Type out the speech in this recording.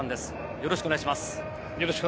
よろしくお願いします。